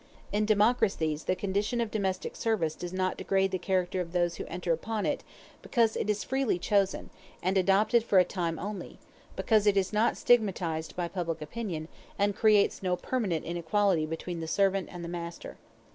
In democracies the condition of domestic service does not degrade the character of those who enter upon it, because it is freely chosen, and adopted for a time only; because it is not stigmatized by public opinion, and creates no permanent inequality between the servant and the master.